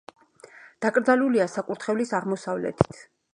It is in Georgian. დაკრძალულია საკურთხევლის აღმოსავლეთით.